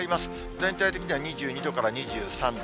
全体的には２２度から２３度。